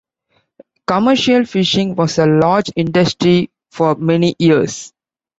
Commercial fishing was a large industry for many years.